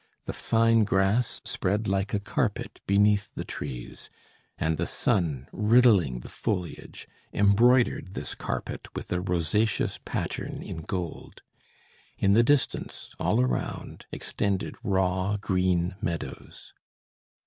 The fine grass spread like a carpet beneath the trees, and the sun, riddling the foliage, embroidered this carpet with a rosaceous pattern in gold. In the distance, all around, extended raw green meadows.